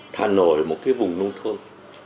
thả nổi một cái vùng nông thôn